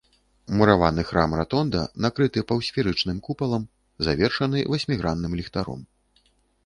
Мураваны храм-ратонда накрыты паўсферычным купалам, завершаны васьмігранным ліхтаром.